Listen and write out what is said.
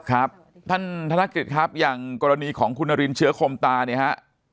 ครับท่านธนกิจครับอย่างกรณีของคุณนารินเชื้อคมตาเนี่ยฮะ